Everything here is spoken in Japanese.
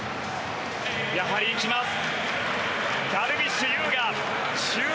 やはりいきます。